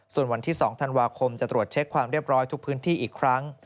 ส่วนวันที่๒ธันวาคมจะตรวจเช็คความเรียบร้อยทุกพื้นที่อีกครั้ง